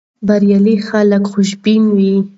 بریالي خلک خوشبین وي.